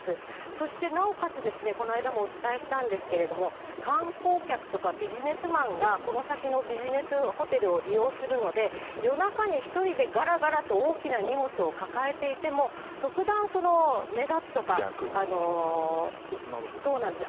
そしてなおかつですね、この間もお伝えしたんですけれども、観光客とかビジネスマンが、この先のビジネスホテルを利用するので、夜中に１人でがらがらと大きな荷物を抱えていても特段、目立つとか、そうなんです。